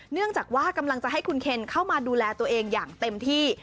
เนื่องจากว่ากำลังจะให้คุณเคนเข้ามาดูแลตัวเองอย่างเต็มที่